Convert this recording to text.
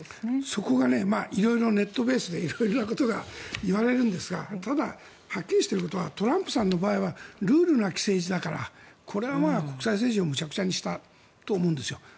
そこが色々、ネットベースで色々なことが言われるんですがただ、はっきりしていることはトランプさんの場合はルールなき政治だからこれは国際政治をむちゃくちゃにしたと思うんですよ。